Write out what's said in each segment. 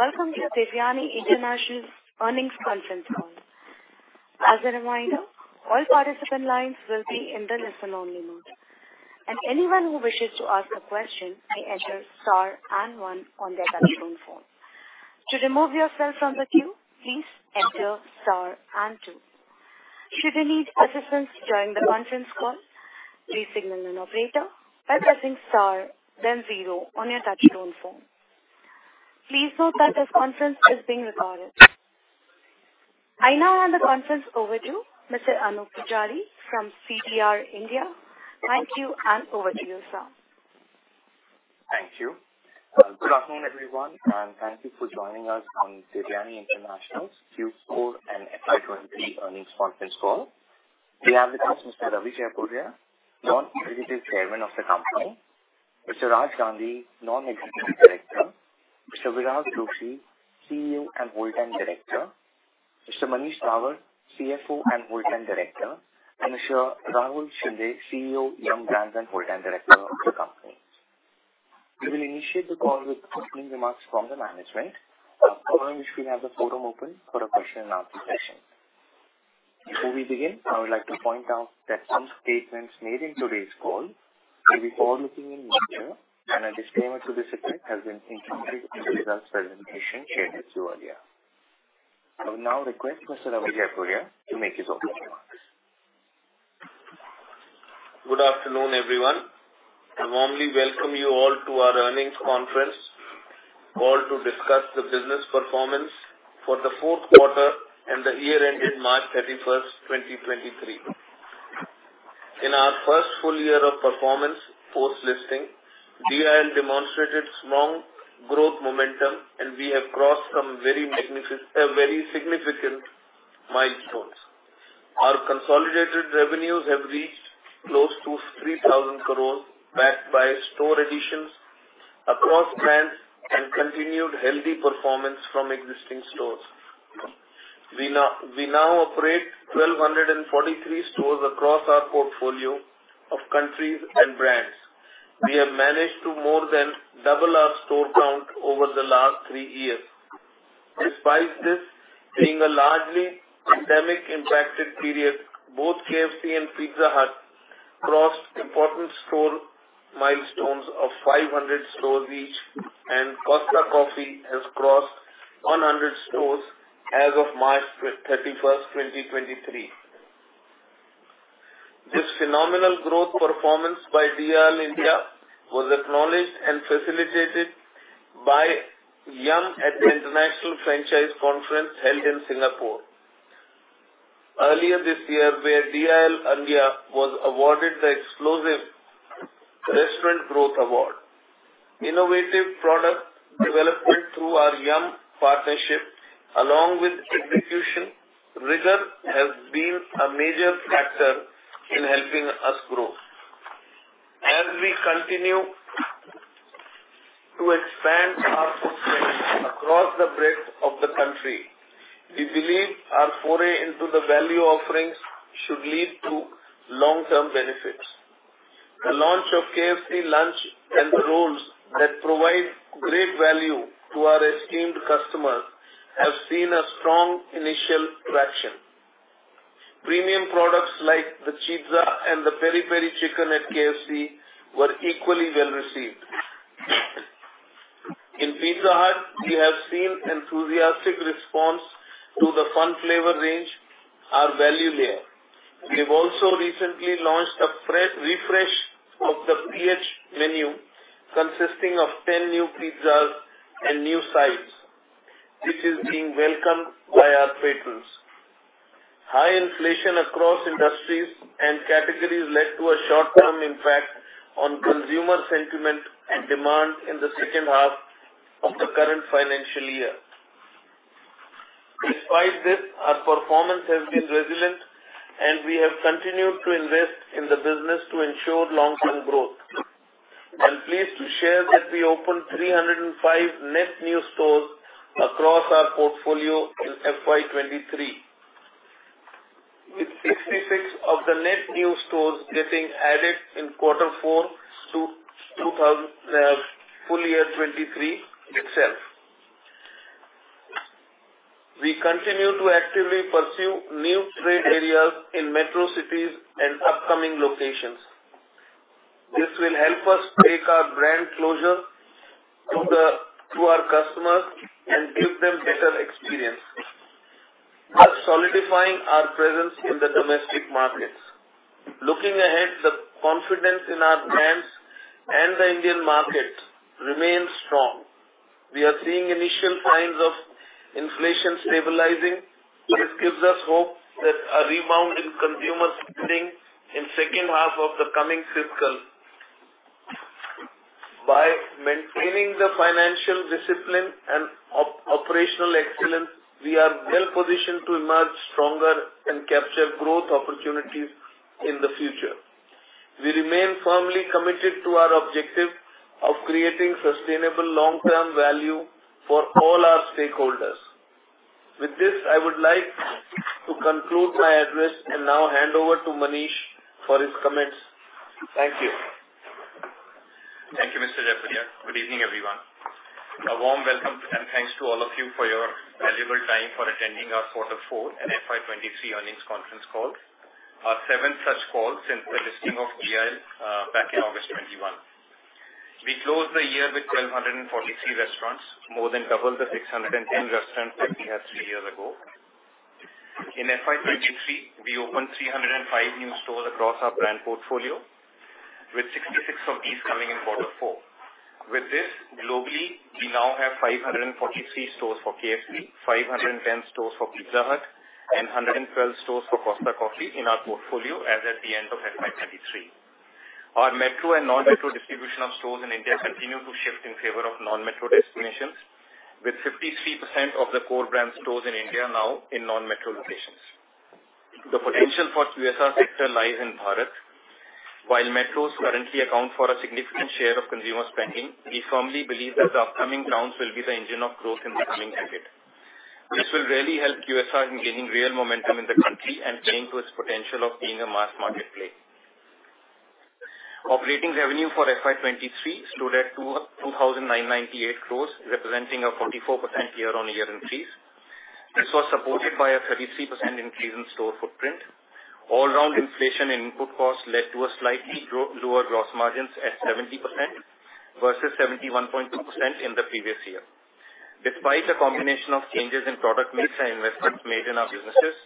Good day, and welcome to Devyani International's earnings conference call. As a reminder, all participant lines will be in the listen only mode. Anyone who wishes to ask a question may enter star and one on their touchtone phone. To remove yourself from the queue, please enter star and two. Should you need assistance during the conference call, please signal an operator by pressing star then zero on your touchtone phone. Please note that this conference is being recorded. I now hand the conference over to Mr. Anoop Poojari from CDR India. Thank you, and over to you, sir. Thank you. Good afternoon, everyone, and thank you for joining us on Devyani International's Q4 and FY 2023 earnings conference call. We have with us Mr. Ravi Jaipuria, Non-Executive Chairman of the company, Mr. Raj Gandhi, Non-Executive Director, Mr. Virag Joshi, CEO and Whole-time Director, Mr. Manish Dawar, CFO and Whole-time Director, and Mr. Rahul Shinde, CEO, Yum! Brands and Whole-time Director of the company. We will initiate the call with opening remarks from the management. Afterwards, we'll have the forum open for a question and answer session. Before we begin, I would like to point out that some statements made in today's call will be forward-looking in nature and a disclaimer to this effect has been included in the results presentation shared with you earlier. I will now request Mr. Jaipuria to make his opening remarks. Good afternoon, everyone. I warmly welcome you all to our earnings conference call to discuss the business performance for the fourth quarter and the year ending March 31st, 2023. In our first full year of performance post-listing, DIL demonstrated strong growth momentum, and we have crossed some very significant milestones. Our consolidated revenues have reached close to 3,000 crores, backed by store additions across brands and continued healthy performance from existing stores. We now operate 1,243 stores across our portfolio of countries and brands. We have managed to more than double our store count over the last three years. Despite this being a largely pandemic impacted period, both KFC and Pizza Hut crossed important store milestones of 500 stores each, and Costa Coffee has crossed 100 stores as of March 31st, 2023. This phenomenal growth performance by DIL India was acknowledged and facilitated by Yum! at the International Franchise Conference held in Singapore earlier this year, where DIL India was awarded the exclusive Restaurant Growth Award. Innovative product development through our Yum! partnership, along with execution rigor, has been a major factor in helping us grow. As we continue to expand our footprint across the breadth of the country, we believe our foray into the value offerings should lead to long-term benefits. The launch of KFC Lunch and rolls that provide great value to our esteemed customers have seen a strong initial traction. Premium products like the Chizza and the Peri Peri chicken at KFC were equally well received. In Pizza Hut, we have seen enthusiastic response to the Fun Flavours range, our value layer. We've also recently launched a fresh refresh of the PH menu consisting of 10 new pizzas and new size, which is being welcomed by our patrons. High inflation across industries and categories led to a short-term impact on consumer sentiment and demand in the second half of the current financial year. Despite this, our performance has been resilient, and we have continued to invest in the business to ensure long-term growth. I'm pleased to share that we opened 305 net new stores across our portfolio in FY 2023, with 66 of the net new stores getting added in Q4 full year 2023 itself. We continue to actively pursue new trade areas in metro cities and upcoming locations. This will help us take our brand closure to our customers and give them better experience, thus solidifying our presence in the domestic markets. Looking ahead, the confidence in our brands and the Indian market remains strong. We are seeing initial signs of inflation stabilizing, which gives us hope that a rebound in consumer spending in second half of the coming fiscal. By maintaining the financial discipline and operational excellence, we are well positioned to emerge stronger and capture growth opportunities in the future. We remain firmly committed to our objective of creating sustainable long-term value for all our stakeholders. With this, I would like to conclude my address and now hand over to Manish for his comments. Thank you. Thank you, Mr. Jaipuria. Good evening, everyone. A warm welcome and thanks to all of you for your valuable time for attending our Quarter Four and FY 2023 earnings conference call. Our seventh such call since the listing of DIL, back in August 2021. We closed the year with 1,243 restaurants, more than double the 610 restaurants that we had three years ago. In FY 2023, we opened 305 new stores across our brand portfolio, with 66 of these coming in quarter four. With this, globally, we now have 543 stores for KFC, 510 stores for Pizza Hut, and 112 stores for Costa Coffee in our portfolio as at the end of FY 2023. Our metro and non-metro distribution of stores in India continue to shift in favor of non-metro destinations, with 53% of the core brand stores in India now in non-metro locations. The potential for QSR sector lies in Bharat. While metros currently account for a significant share of consumer spending, we firmly believe that the upcoming towns will be the engine of growth in the coming decade. This will really help QSR in gaining real momentum in the country and playing to its potential of being a mass market play. Operating revenue for FY 2023 stood at 2,998 crores, representing a 44% year-on-year increase. This was supported by a 33% increase in store footprint. All around inflation and input costs led to a slightly lower gross margins at 70% versus 71.2% in the previous year. Despite a combination of changes in product mix and investments made in our businesses,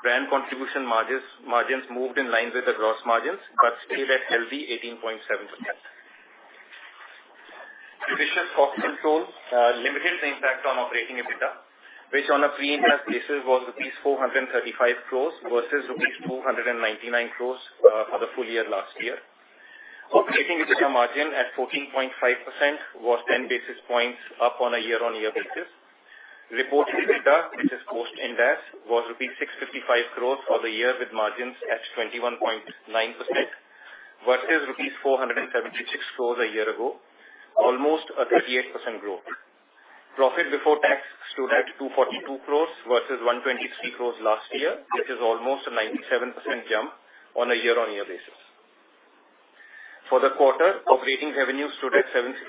brand contribution margins moved in line with the gross margins, but still at healthy 18.7%. Rigorous cost control limited the impact on operating EBITDA, which on a pre-interest basis was rupees 435 crores versus rupees 299 crores for the full year last year. Operating EBITDA margin at 14.5% was 10 basis points up on a year-on-year basis. Reported EBITDA, which is post-indebts, was rupees 655 crores for the year, with margins at 21.9% versus rupees 476 crores a year ago, almost a 38% growth. Profit before tax stood at 242 crores versus 123 crores last year, which is almost a 97% jump on a year-on-year basis. For the quarter, operating revenue stood at 765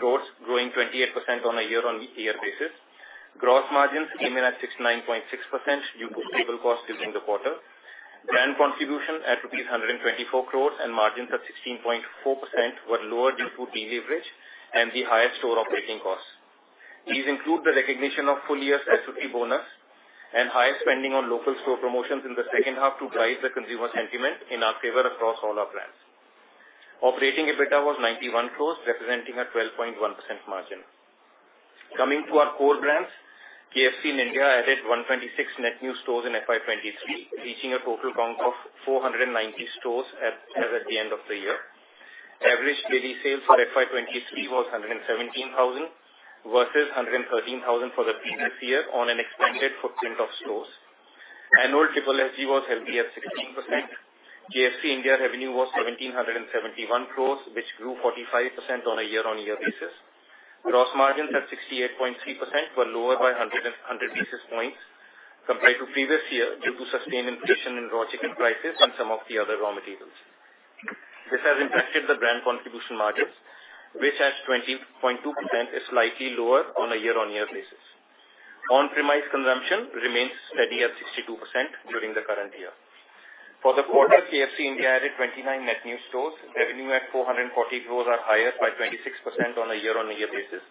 crores, growing 28% on a year-on-year basis. Gross margins came in at 69.6% due to labor costs during the quarter. Brand contribution at 124 crores and margins at 16.4% were lower due to deleverage and the higher store operating costs. These include the recognition of full year's ESOP bonus and higher spending on local store promotions in the second half to drive the consumer sentiment in our favor across all our brands. Operating EBITDA was 91 crores, representing a 12.1% margin. KFC in India added 126 net new stores in FY 2023, reaching a total count of 490 stores as at the end of the year. Average daily sales for FY 2023 was 117,000 versus 113,000 for the previous year on an expanded footprint of stores. Annual SSSG was healthy at 16%. KFC India revenue was 1,771 crores, which grew 45% on a year-on-year basis. Gross margins at 68.3% were lower by 100 basis points compared to previous year due to sustained inflation in raw chicken prices and some of the other raw materials. This has impacted the brand contribution margins, which at 20.2% is slightly lower on a year-on-year basis. On-premise consumption remains steady at 62% during the current year. For the quarter, KFC India added 29 net new stores. Revenue at 440 crores are higher by 26% on a year-on-year basis.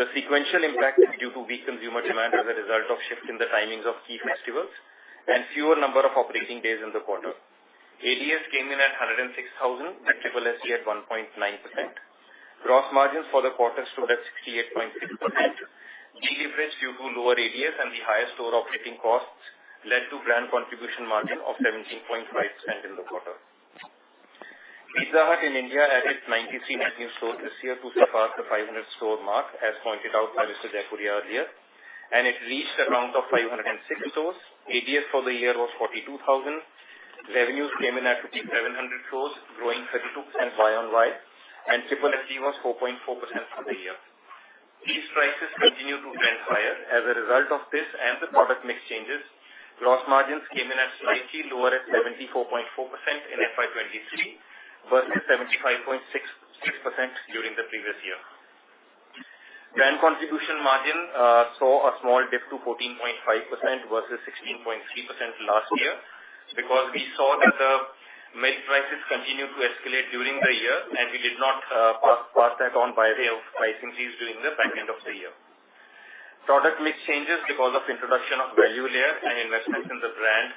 The sequential impact is due to weak consumer demand as a result of shift in the timings of key festivals and fewer number of operating days in the quarter. ADS came in at 106,000, net SSSG at 1.9%. Gross margins for the quarter stood at 68.3%. Deleverage due to lower ADS and the higher store operating costs led to brand contribution margin of 17.5% in the quarter. Pizza Hut in India added 93 net new stores this year to surpass the 500 store mark, as pointed out by Mr. Jaipuria earlier, and it reached a count of 506 stores. ADS for the year was 42,000. Revenues came in at rupees 700 crores, growing 32% year-over-year, and SSSG was 4.4% for the year. Cheese prices continue to trend higher. As a result of this and the product mix changes, gross margins came in at slightly lower at 74.4% in FY 2023 versus 75.66% during the previous year. Brand contribution margin saw a small dip to 14.5% versus 16.3% last year because we saw that the milk prices continued to escalate during the year, and we did not pass that on via the pricing fees during the back end of the year. Product mix changes because of introduction of value layer and investment in the brand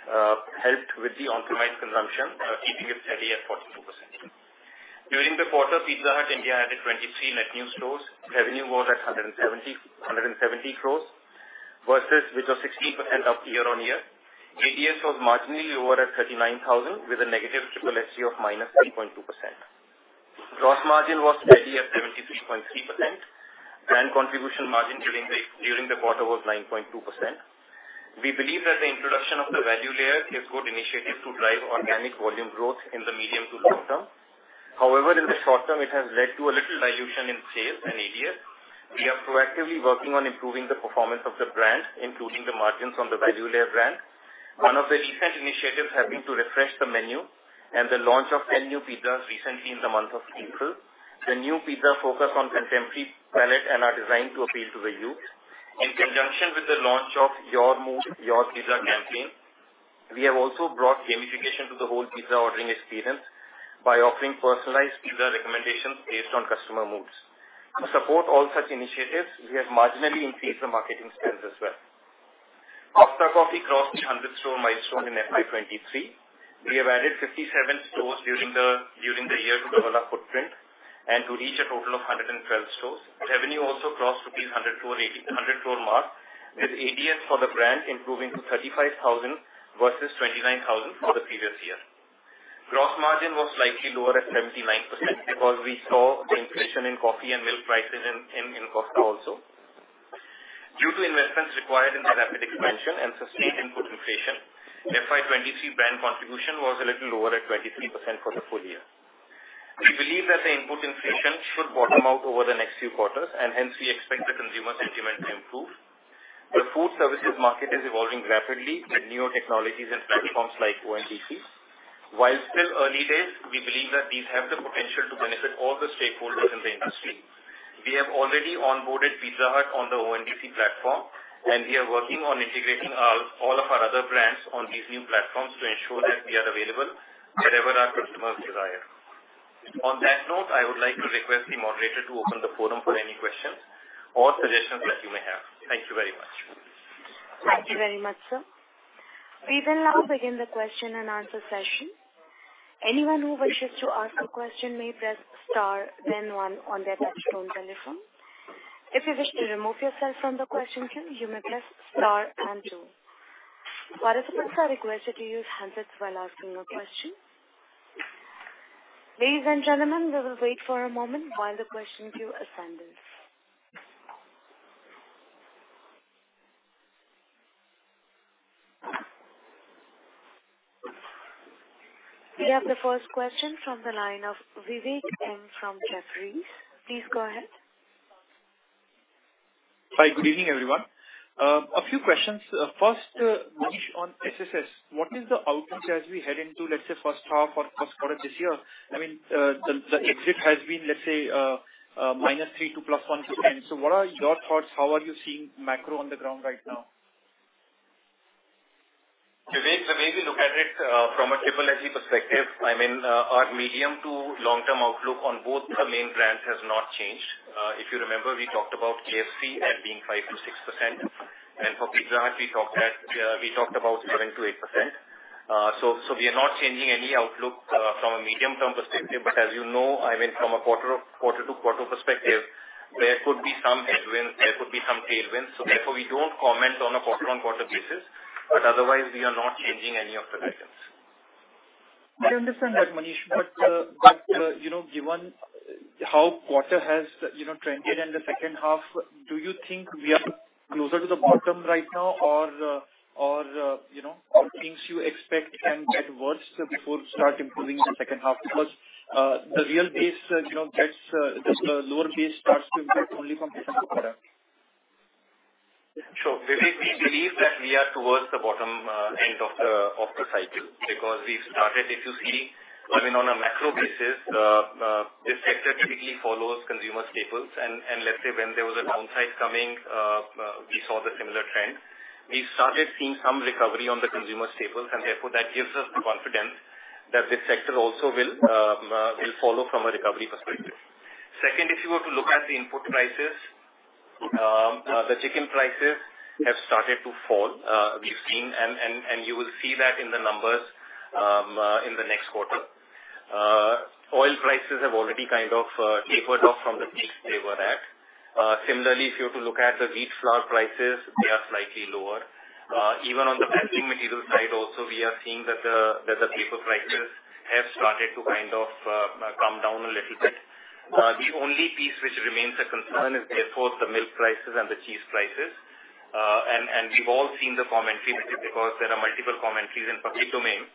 helped with the on-premise consumption, keeping it steady at 44%. During the quarter, Pizza Hut India added 23 net new stores. Revenue was at 170 crores, which was 16% up year-over-year. ADS was marginally lower at 39,000, with a negative SSSG of -3.2%. Gross margin was steady at 73.3%. Brand contribution margin during the quarter was 9.2%. We believe that the introduction of the value layer is a good initiative to drive organic volume growth in the medium to long term. However, in the short term, it has led to a little dilution in sales and ADS. We are proactively working on improving the performance of the brand, including the margins on the value layer brand. One of the recent initiatives have been to refresh the menu and the launch of 10 new pizzas recently in the month of April. The new pizza focus on contemporary palate and are designed to appeal to the youth. In conjunction with the launch of Your Mood, Your Pizza campaign, we have also brought gamification to the whole pizza ordering experience by offering personalized pizza recommendations based on customer moods. We have marginally increased the marketing spends as well. Costa Coffee crossed the 100 store milestone in FY 2023. We have added 57 stores during the year to develop footprint and to reach a total of 112 stores. Revenue also crossed rupees 800 crore mark, with ADS for the brand improving to 35,000 versus 29,000 for the previous year. Gross margin was slightly lower at 79% because we saw the inflation in coffee and milk prices in Costa also. Due to investments required in the rapid expansion and sustained input inflation, FY 2023 brand contribution was a little lower at 23% for the full year. We believe that the input inflation should bottom out over the next few quarters. Hence, we expect the consumer sentiment to improve. The food services market is evolving rapidly with newer technologies and platforms like ONDC. While still early days, we believe that these have the potential to benefit all the stakeholders in the industry. We have already onboarded Pizza Hut on the ONDC platform. We are working on integrating all of our other brands on these new platforms to ensure that we are available wherever our customers desire. On that note, I would like to request the moderator to open the forum for any questions or suggestions that you may have. Thank you very much. Thank you very much, sir. We will now begin the question and answer session. Anyone who wishes to ask a question may press star then one on their touchtone telephone. If you wish to remove yourself from the question queue, you may press star and two. Participants are requested to use handsets while asking a question. Ladies and gentlemen, we will wait for a moment while the questions queue assembles. We have the first question from the line of Vivek from Jefferies. Please go ahead. Hi, good evening, everyone. A few questions. First, Manish on SSS, what is the outlook as we head into, let's say, first half or first quarter this year? I mean, the exit has been, let's say, -3% to +1%. What are your thoughts? How are you seeing macro on the ground right now? Vivek, the way we look at it, from a trilogy perspective, I mean, our medium to long term outlook on both the main brands has not changed. If you remember, we talked about KFC as being 5%-6% and for Pizza Hut we talked at 7%-8%. We are not changing any outlook, from a medium term perspective, but as you know, I mean, from a quarter to quarter perspective, there could be some headwinds, there could be some tailwinds, so therefore we don't comment on a quarter on quarter basis, but otherwise we are not changing any of the guidance. I understand that, Manish, but, you know, given how quarter has, you know, trended in the second half, do you think we are closer to the bottom right now or, you know, things you expect can get worse before start improving in the second half? The real base, you know, gets the lower base starts to improve only from second quarter. Sure. Vivek, we believe that we are towards the bottom end of the cycle because we started. If you see, I mean, on a macro basis, this sector typically follows consumer staples, and let's say when there was a downside coming, we saw the similar trend. We started seeing some recovery on the consumer staples, and therefore that gives us the confidence that this sector also will follow from a recovery perspective. Second, if you were to look at the input prices, the chicken prices have started to fall. We've seen, and you will see that in the numbers in the next quarter. Oil prices have already kind of tapered off from the peaks they were at. Similarly, if you were to look at the wheat flour prices, they are slightly lower. Even on the packaging material side also we are seeing that the paper prices have started to kind of come down a little bit. The only piece which remains a concern is therefore the milk prices and the cheese prices. We've all seen the commentary because there are multiple commentaries in public domain.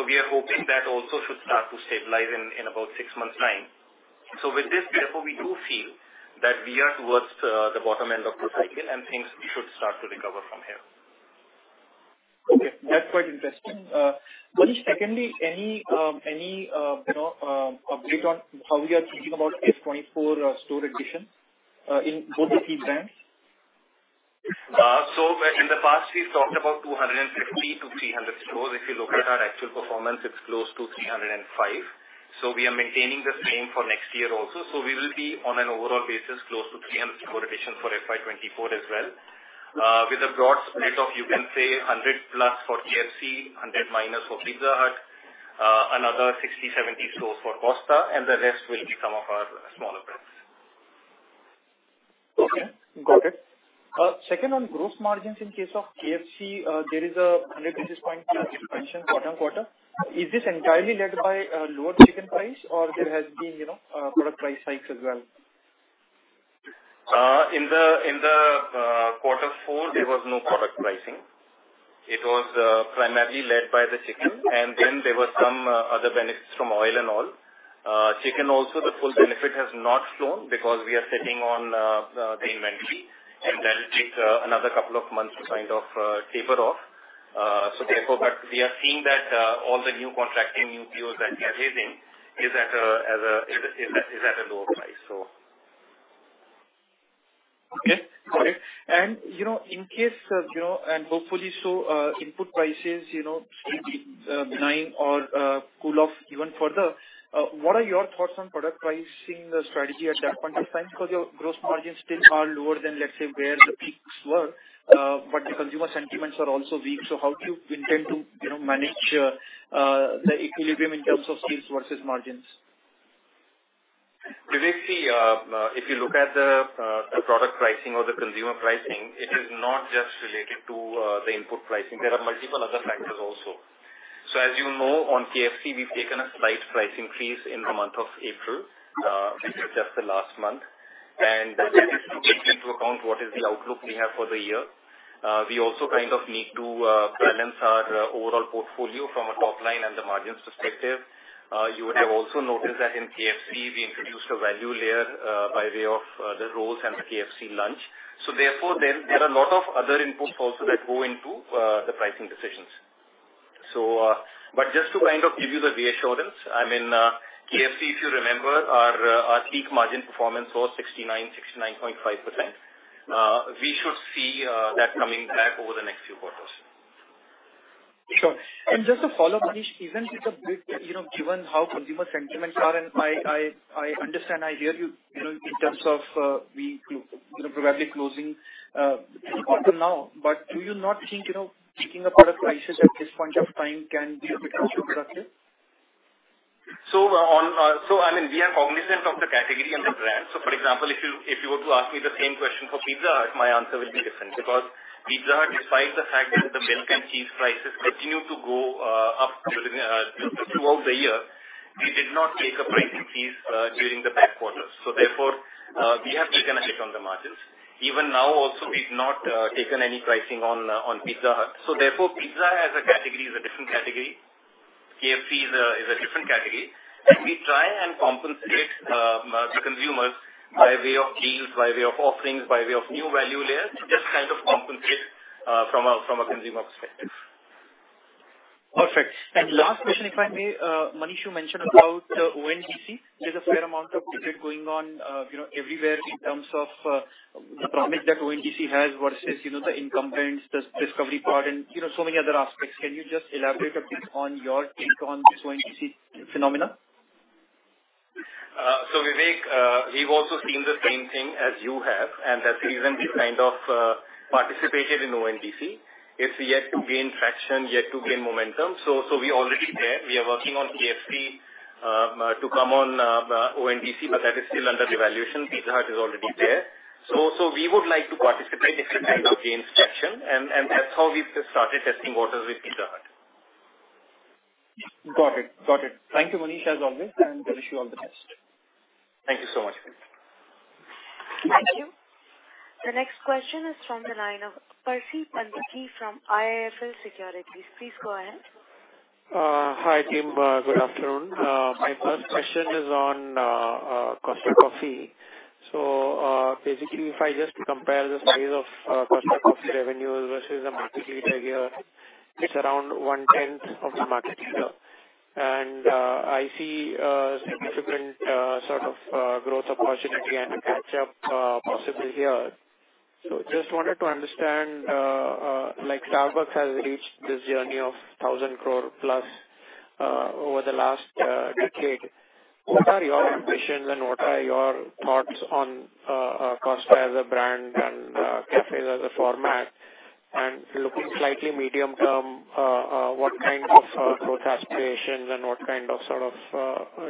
We are hoping that also should start to stabilize in about six months' time. With this, therefore, we do feel that we are towards the bottom end of the cycle and things should start to recover from here. Okay, that's quite interesting. Manish, secondly, any, you know, update on how we are thinking about FY 2024 store addition, in both the key brands? In the past we've talked about 250-300 stores. If you look at our actual performance, it's close to 305. We are maintaining the same for next year also. We will be on an overall basis close to 300 store addition for FY 2024 as well. With a broad split of, you can say 100+ for KFC, 100- for Pizza Hut, another 60-70 stores for Costa, and the rest will be some of our smaller brands. Got it. Second, on gross margins in case of KFC, there is a 100 basis point margin expansion quarter-on-quarter. Is this entirely led by lower chicken price or there has been, you know, product price hikes as well? In the quarter four, there was no product pricing. It was primarily led by the chicken, and then there were some other benefits from oil and all. Chicken also the full benefit has not flown because we are sitting on the inventory, and that'll take another couple of months to kind of taper off. Therefore we are seeing that all the new contracting, new deals that we are getting is at a lower price, so. Okay, got it. You know, in case, you know, and hopefully so, input prices, you know, cool off even further, what are your thoughts on product pricing strategy at that point in time? Because your gross margins still are lower than, let's say, where the peaks were, but the consumer sentiments are also weak. How do you intend to, you know, manage the equilibrium in terms of sales versus margins? Vivek, the if you look at the product pricing or the consumer pricing, it is not just related to the input pricing. There are multiple other factors also. As you know, on KFC, we've taken a slight price increase in the month of April, which was just the last month. That is to take into account what is the outlook we have for the year. We also kind of need to balance our overall portfolio from a top line and the margins perspective. You would have also noticed that in KFC we introduced a value layer by way of the rolls and the KFC lunch. Therefore, there are a lot of other inputs also that go into the pricing decisions. But just to kind of give you the reassurance, I mean, KFC, if you remember our peak margin performance was 69.5%. We should see that coming back over the next few quarters. Sure. just to follow, Manish, even with the bit, you know, given how consumer sentiments are, and I understand, I hear you know, in terms of, we, you know, probably closing quarter now, but do you not think, you know, taking a product crisis at this point of time can be a bit constructive? I mean, we are cognizant of the category and the brand. For example, if you were to ask me the same question for Pizza Hut, my answer will be different. Pizza Hut, despite the fact that the milk and cheese prices continued to go up throughout the year, we did not take a price increase during the past quarters. Therefore, we have taken a hit on the margins. Even now also we've not taken any pricing on Pizza Hut. Therefore, pizza as a category is a different category. KFC is a different category. We try and compensate the consumers by way of deals, by way of offerings, by way of new value layers, just kind of compensate from a consumer perspective. Perfect. Last question, if I may. Manish, you mentioned about ONDC. There's a fair amount of debate going on, you know, everywhere in terms of, the product that ONDC has versus, you know, the incumbents, the discovery part and, you know, so many other aspects. Can you just elaborate a bit on your take on this ONDC phenomenon? Vivek, we've also seen the same thing as you have, and that's the reason we kind of participated in ONDC. It's yet to gain traction, yet to gain momentum. We already there. We are working on KFC to come on ONDC, but that is still under evaluation. Pizza Hut is already there. We would like to participate if it kind of gains traction and that's how we've started testing waters with Pizza Hut. Got it. Got it. Thank you, Manish, as always, and wish you all the best. Thank you so much, Vivek. Thank you. The next question is from the line of Percy Panthaki from IIFL Securities. Please go ahead. Hi team. Good afternoon. My first question is on Costa Coffee. Basically, if I just compare the size of Costa Coffee revenues versus the market leader here, it's around one-tenth of the market leader. I see significant sort of growth opportunity and a catch up possible here. Just wanted to understand, like Starbucks has reached this journey of 1,000 crore plus over the last decade. What are your ambitions and what are your thoughts on Costa as a brand and cafes as a format? Looking slightly medium term, what kind of growth aspirations and what kind of sort of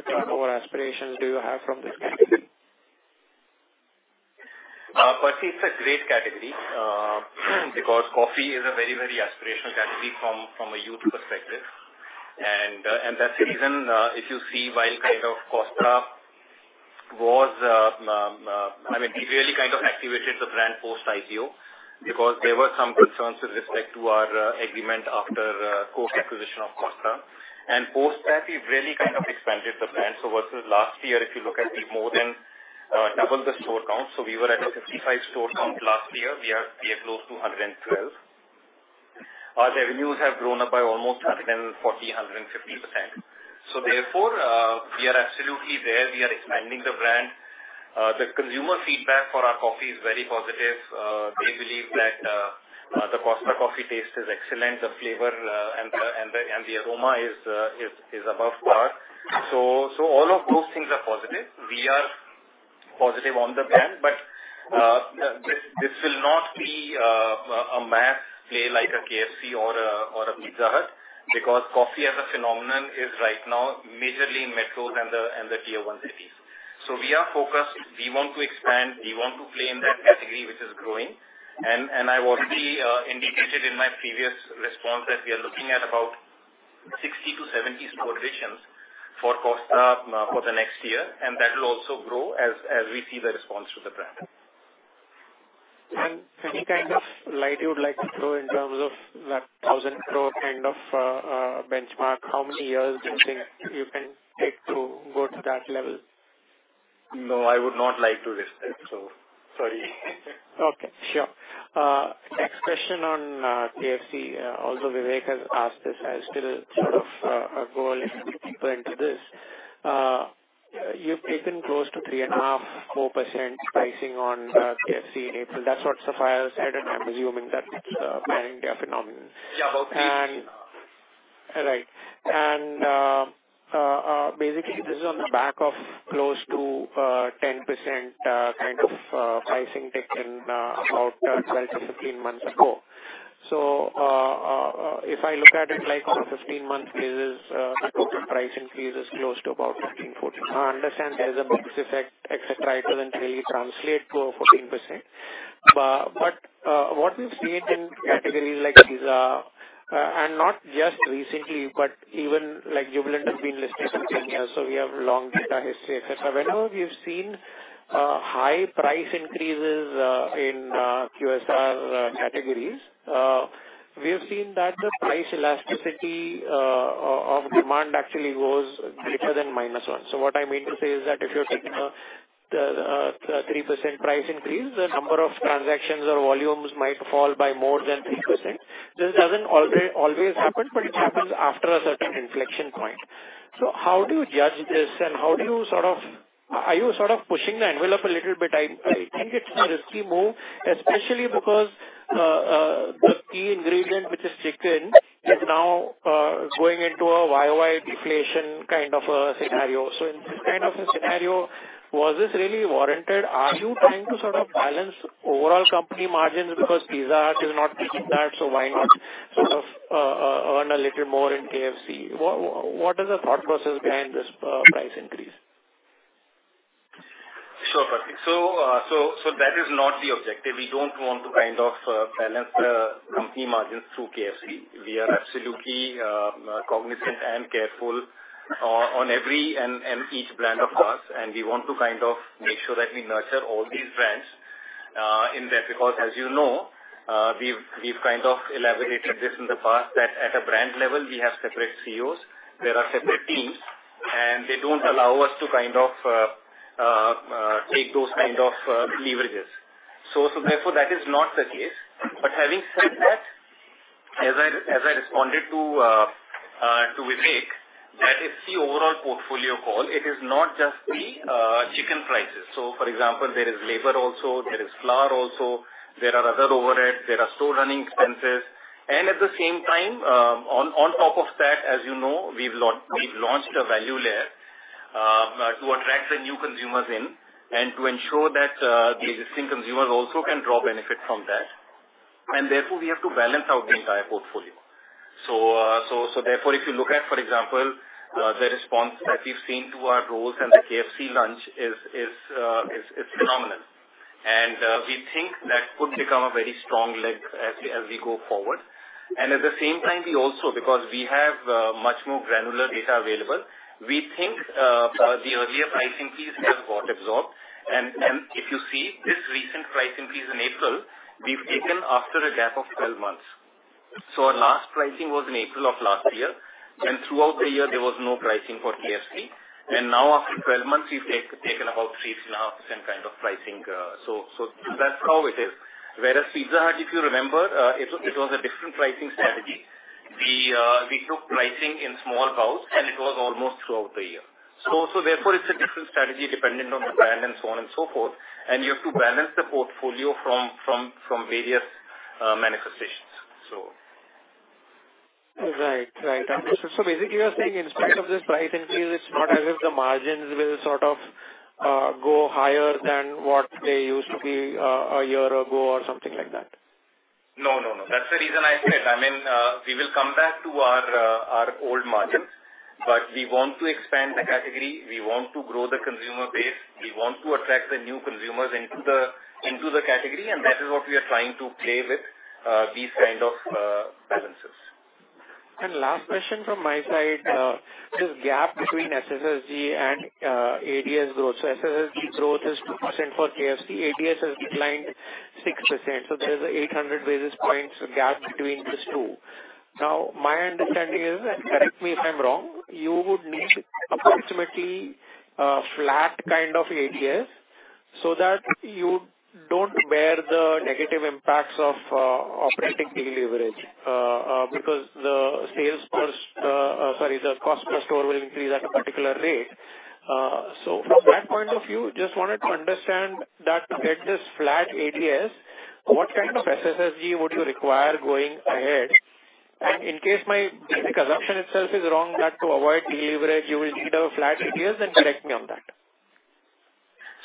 turnover aspirations do you have from this category? Percy, it's a great category because coffee is a very, very aspirational category from a youth perspective. That's the reason, if you see why kind of Costa was, I mean, we really kind of activated the brand post-IPO because there were some concerns with respect to our agreement after Coke acquisition of Costa. Post that, we've really kind of expanded the brand. Versus last year, if you look at we've more than doubled the store count. We were at a 55 store count last year. We are close to 112. Our revenues have grown up by almost 140%, 150%. Therefore, we are absolutely there. We are expanding the brand. The consumer feedback for our coffee is very positive. They believe that the Costa Coffee taste is excellent, the flavor, and the aroma is above par. All of those things are positive. We are positive on the brand, but this will not be a mass play like a KFC or a Pizza Hut, because coffee as a phenomenon is right now majorly in metros and the tier one cities. We are focused. We want to expand, we want to play in that category which is growing. I've already indicated in my previous response that we are looking at about 60-70 store additions for Costa for the next year, and that will also grow as we see the response to the brand. Any kind of light you would like to throw in terms of that 1,000 crore kind of benchmark, how many years do you think you can take to go to that level? No, I would not like to risk it. Sorry. Okay, sure. next question on KFC. also Vivek has asked this as still sort of a goal if you could go into this. you've taken close to 3.5%-4% pricing on KFC in April. That's what Sapphire said, and I'm assuming that it's a pan-India phenomenon. Yeah. Right. Basically, this is on the back of close to 10% kind of pricing taken about 12-15 months ago. If I look at it like on a 15-month basis, the total price increase is close to about 13, 14. I understand there's a box effect, etc. It doesn't really translate to a 14%. What we've seen in categories like Pizza, and not just recently, but even like Jubilant have been listed since 10 years, so we have long data history, etc. Whenever we've seen high price increases in QSR categories, we have seen that the price elasticity of demand actually goes greater than -1. What I mean to say is that if you're taking a, the 3% price increase, the number of transactions or volumes might fall by more than 3%. This doesn't always happen, but it happens after a certain inflection point. How do you judge this, and how do you sort of? Are you sort of pushing the envelope a little bit? I think it's a risky move, especially because the key ingredient, which is chicken, is now going into a YoY deflation kind of a scenario. In this kind of a scenario, was this really warranted? Are you trying to sort of balance overall company margins because Pizza Hut is not doing that, so why not sort of earn a little more in KFC? What is the thought process behind this price increase? Sure, Percy. That is not the objective. We don't want to kind of balance the company margins through KFC. We are absolutely cognizant and careful on every and each brand, of course, and we want to kind of make sure that we nurture all these brands in that. Because as you know, we've kind of elaborated this in the past that at a brand level, we have separate CEOs, there are separate teams, and they don't allow us to kind of take those kind of leverages. Therefore, that is not the case. Having said that, as I responded to Vivek, that is the overall portfolio call. It is not just the chicken prices. For example, there is labor also, there is flour also, there are other overheads, there are store running expenses. At the same time, on top of that, as you know, we've launched a value layer to attract the new consumers in and to ensure that the existing consumers also can draw benefit from that. Therefore, we have to balance out the entire portfolio. Therefore, if you look at, for example, the response that we've seen to our growth and the KFC launch is phenomenal. We think that could become a very strong leg as we go forward. At the same time, we also because we have much more granular data available, we think the earlier price increase has got absorbed. If you see this recent price increase in April, we've taken after a gap of 12 months. Our last pricing was in April of last year. Throughout the year there was no pricing for KFC. Now after 12 months, we've taken about 3.5% kind of pricing. That's how it is. Whereas Pizza Hut, if you remember, it was a different pricing strategy. We took pricing in small bouts. It was almost throughout the year. Therefore it's a different strategy depending on the brand and so on and so forth. You have to balance the portfolio from various manifestations. Right. Right. basically you're saying in spite of this price increase, it's not as if the margins will sort of, go higher than what they used to be a year ago or something like that? No, no. That's the reason I said. I mean, we will come back to our old margins, but we want to expand the category, we want to grow the consumer base, we want to attract the new consumers into the, into the category, and that is what we are trying to play with these kind of balances. Last question from my side. This gap between SSSG and ADS growth. SSSG growth is 2% for KFC. ADS has declined 6%. There's an 800 basis points gap between these two. My understanding is, and correct me if I'm wrong, you would need approximately a flat kind of ADS so that you don't bear the negative impacts of operating deleverage because sorry, the cost per store will increase at a particular rate. From that point of view, just wanted to understand that to get this flat ADS, what kind of SSSG would you require going ahead? In case my basic assumption itself is wrong, that to avoid deleverage you will need a flat ADS, then correct me on that.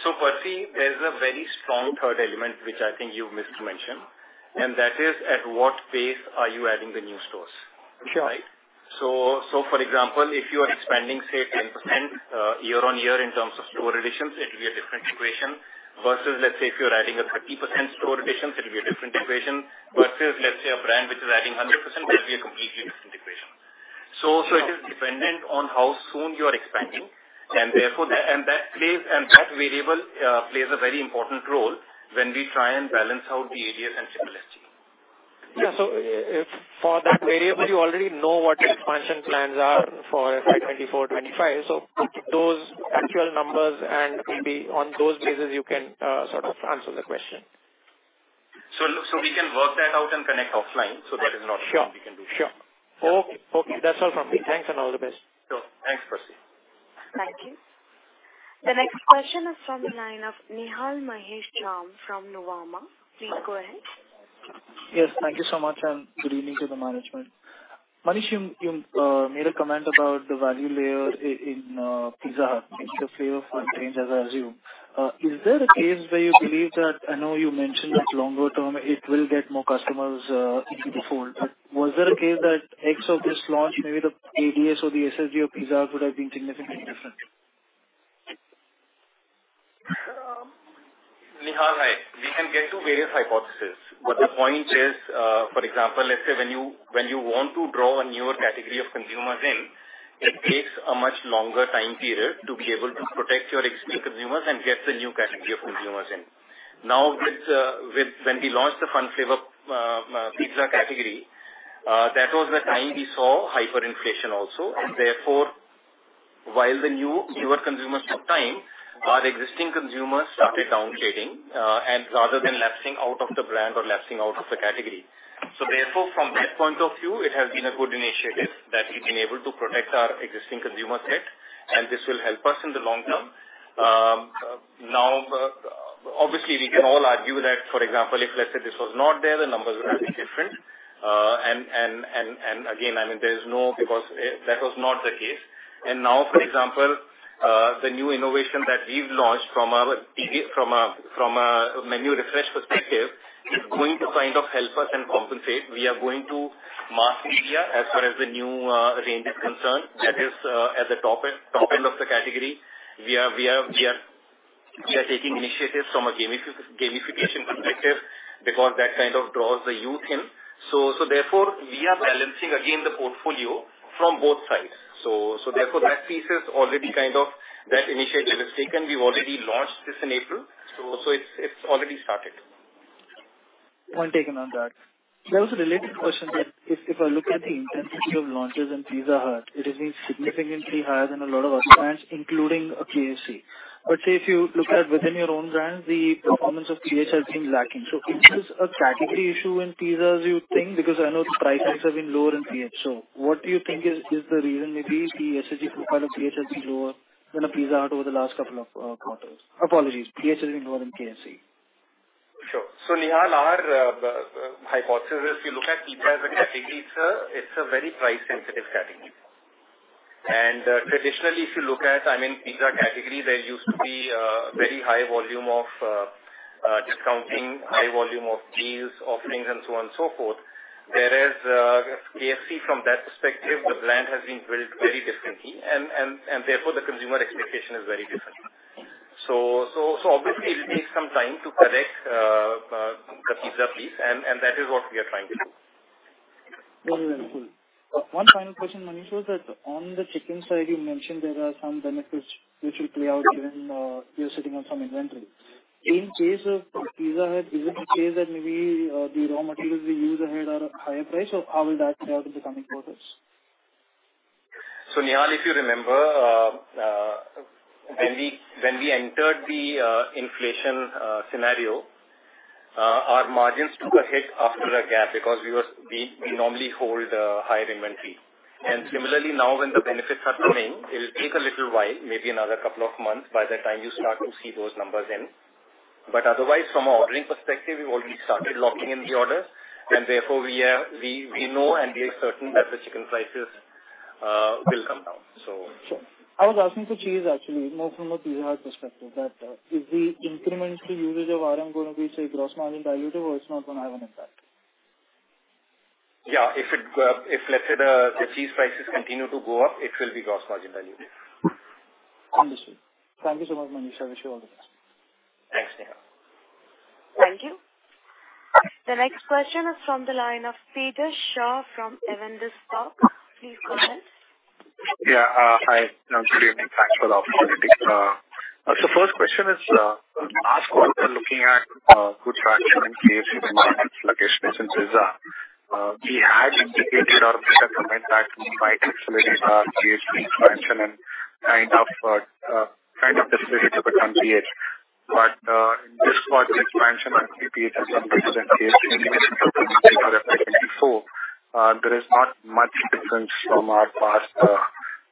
Percy, there's a very strong third element which I think you've missed to mention, and that is at what pace are you adding the new stores? Sure. Right? For example, if you are expanding, say 10% year on year in terms of store additions, it will be a different equation. Versus let's say if you're adding a 30% store addition, it'll be a different equation versus let's say a brand which is adding 100% will be a completely different equation. It is dependent on how soon you are expanding, and therefore that variable plays a very important role when we try and balance out the ADS and SSG. Yeah. If for that variable you already know what your expansion plans are for FY 2024, 2025. Those actual numbers and maybe on those basis you can sort of answer the question. We can work that out and connect offline. That is not something we can do here. Sure. Sure. Okay. Okay. That's all from me. Thanks, and all the best. Sure. Thanks, Percy. Thank you. The next question is from the line of Nihal Mahesh Jham from Nuvama. Please go ahead. Thank you so much, good evening to the management. Manish, you made a comment about the value layer in Pizza Hut. It's the Fun Flavours range, as I assume. Is there a case where you believe that... I know you mentioned that longer term it will get more customers into the fold. Was there a case that X of this launch, maybe the ADS or the SSG of Pizza Hut would have been significantly different? Nihal, hi. We can get to various hypotheses. But the point is, for example, let's say when you, when you want to draw a newer category of consumers in, it takes a much longer time period to be able to protect your existing consumers and get the new category of consumers in. Now, with when we launched the Fun Flavours pizza category, that was the time we saw hyperinflation also. Therefore, while the new, newer consumers took time, our existing consumers started downgrading and rather than lapsing out of the brand or lapsing out of the category. Therefore, from that point of view, it has been a good initiative that we've been able to protect our existing consumer set, and this will help us in the long term. Now, obviously, we can all argue that, for example, if let's say this was not there, the numbers would have been different. Again, I mean, there is no because that was not the case. Now, for example, the new innovation that we've launched from a menu refresh perspective is going to kind of help us and compensate. We are going to mask media as far as the new range is concerned. That is at the top end, top end of the category. We are taking initiatives from a gamification perspective because that kind of draws the youth in. Therefore, we are balancing again the portfolio from both sides. Therefore, that piece is already kind of... That initiative is taken. We've already launched this in April. It's already started. Point taken on that. There was a related question that if I look at the intensity of launches in Pizza Hut, it has been significantly higher than a lot of other brands, including KFC. But say if you look at within your own brand, the performance of PH has been lacking. So is this a category issue in pizzas, you think? Because I know the price points have been lower in PH. So what do you think is the reason maybe the SSG profile of PH has been lower than a Pizza Hut over the last couple of quarters? Apologies, PH has been lower than KFC. Sure. Nihal, our hypothesis, if you look at pizza as a category, it's a very price-sensitive category. Traditionally, if you look at, I mean, pizza category, there used to be a very high volume of discounting, high volume of deals, offerings, and so on and so forth. KFC from that perspective, the brand has been built very differently and therefore, the consumer expectation is very different. So obviously it will take some time to correct the pizza piece, and that is what we are trying to do. Very well. Cool. One final question, Manish, was that on the chicken side, you mentioned there are some benefits which will play out given, you're sitting on some inventory. In case of Pizza Hut, is it the case that maybe, the raw materials we use ahead are at higher price, or how will that play out in the coming quarters? Nihal, if you remember, when we entered the inflation scenario, our margins took a hit after a gap because we normally hold a higher inventory. Similarly, now when the benefits are coming, it'll take a little while, maybe another couple of months, by that time you start to see those numbers in. Otherwise, from an ordering perspective, we've already started locking in the orders, and therefore we know and we are certain that the chicken prices will come down. Sure. I was asking for cheese actually, more from a Pizza Hut perspective, that, if the incremental usage of RM gonna be, say, gross margin dilutive or it's not gonna have an impact. Yeah. If it, if let's say the cheese prices continue to go up, it will be gross margin dilutive. Understood. Thank you so much, Manish. I wish you all the best. Thanks, Nihal. Thank you. The next question is from the line of Peter Shaw from Avendus Capital. Please go ahead. Hi. Good evening. Thanks for the opportunity. First question is, last quarter looking at good traction in KFC compared to sluggishness in Pizza. We had indicated or made a comment that we might accelerate our KFC expansion and kind of the split it to become PH. In this quarter's expansion, I see PH has increased and KFC has decreased compared to Q4. There is not much difference from our past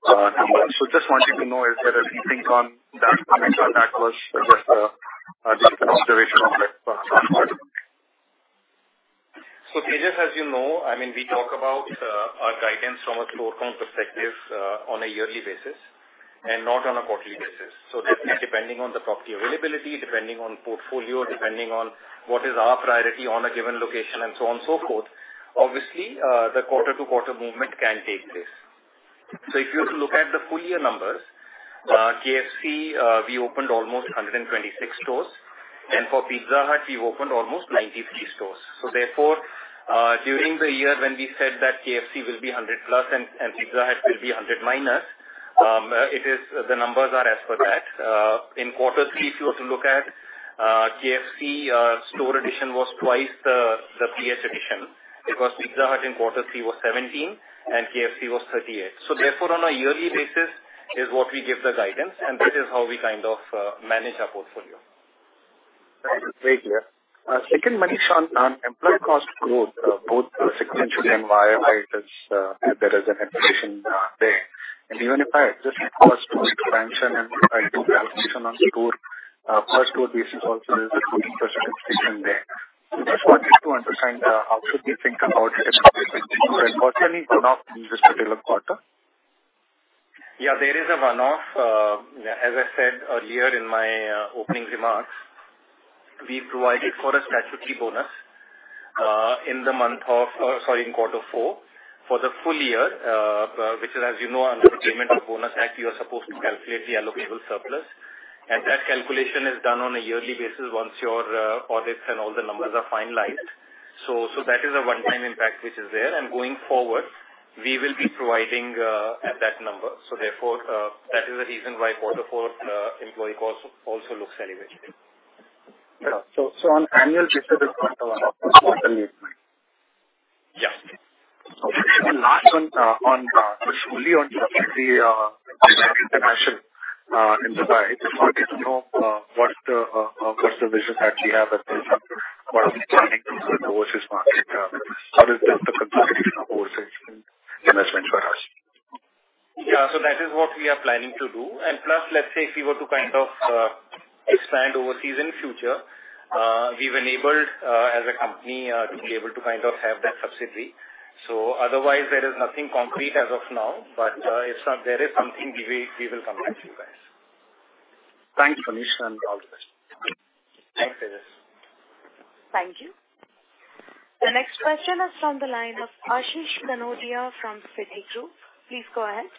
numbers. Just wanted to know is there a rethink on that comment or that was just an observation on that front? Tejas, as you know, I mean, we talk about our guidance from a store count perspective, on a yearly basis and not on a quarterly basis. Definitely depending on the property availability, depending on portfolio, depending on what is our priority on a given location and so on and so forth, obviously, the quarter-to-quarter movement can take place. If you were to look at the full year numbers, KFC, we opened almost 126 stores, and for Pizza Hut we've opened almost 93 stores. Therefore, during the year when we said that KFC will be 100 plus and Pizza Hut will be 100 minus. The numbers are as per that. In quarter three, if you were to look at, KFC, store addition was twice the PH addition. It was Pizza Hut in quarter three was 17% and KFC was 38%. Therefore, on a yearly basis is what we kind of manage our portfolio. Right. Very clear. Second Manish on employee cost growth, both sequentially and YoY it is, there is an increase in there. Even if I adjust for store expansion and if I do calculation on store basis also there's a 2% increase in there. Just wanted to understand, how should we think about employee cost growth and certainly runoff in this particular quarter? Yeah, there is a runoff. As I said earlier in my opening remarks, we provided for a statutory bonus in quarter four for the full year, which is, as you know, under Payment of Bonus Act, you are supposed to calculate the allocable surplus, and that calculation is done on a yearly basis once your audits and all the numbers are finalized. So that is a one-time impact which is there. Going forward, we will be providing at that number. Therefore, that is the reason why quarter four employee cost also looks elevated. Yeah. On annual basis, this is a one-time Yes. Okay. Last one, on, especially on the KFC International enterprise, just wanted to know, what's the, what's the vision that you have at this point? What are we planning to do with the overseas market? How does the consolidation overseas investment for us? Yeah. That is what we are planning to do. Plus, let's say if we were to kind of expand overseas in future, we've enabled as a company to be able to kind of have that subsidy. Otherwise there is nothing concrete as of now. If there is something we will come back to you guys. Thanks, Manish, and all the best. Thanks, Ritesh. Thank you. The next question is from the line of Ashish Kanodia from Citigroup. Please go ahead.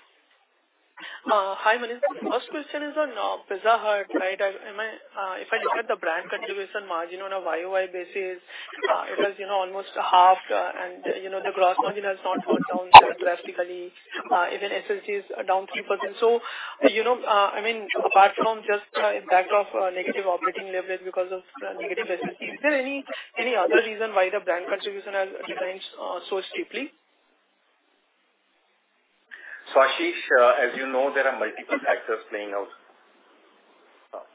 Hi, Manish. The first question is on Pizza Hut, right? If I look at the brand contribution margin on a year-over-year basis, it was, you know, almost half, and, you know, the gross margin has not come down drastically. Even SSSG is down 3%. You know, I mean, apart from just impact of negative operating leverage because of negative SSSG, is there any other reason why the brand contribution has declined so steeply? Ashish, as you know, there are multiple factors playing out.